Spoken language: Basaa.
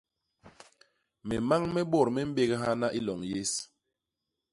Mimañ mi bôt mi mbéghana i loñ yés.